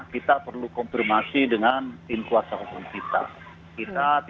kita perlu konfirmasi dengan pak martin dan pak kamarudin siman juttak ini